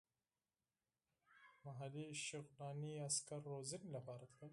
محلي شغناني عسکر روزنې لپاره تلل.